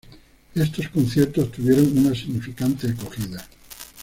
Estos conciertos tuvieron una significante acogida.